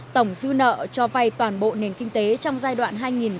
tổng dư nợ cho vay toàn bộ nền kinh tế trong giai đoạn hai nghìn một mươi hai hai nghìn một mươi bảy